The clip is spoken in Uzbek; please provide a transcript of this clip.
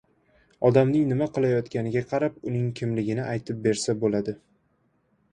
Odamning nima qilayotganiga qarab uning kimligini aytib bersa bo‘ladi.